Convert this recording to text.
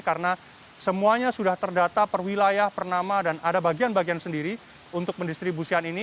karena semuanya sudah terdata perwilayah pernama dan ada bagian bagian sendiri untuk mendistribusian ini